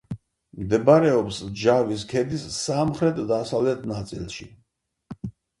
მდებარეობს ჯავის ქედის სამხრეთ-დასავლეთ ნაწილში.